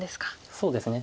そうですね。